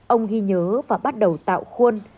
ông ghi nhớ và bắt đầu tạo khuôn